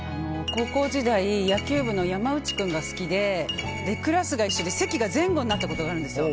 高校時代、野球部の山内君が好きでクラスが一緒で、席が前後になったことがあるんですよ。